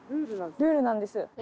ルールなんです。